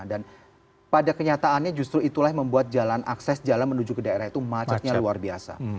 dan pada kenyataannya justru itulah membuat jalan akses jalan menuju ke daerah itu macetnya luar biasa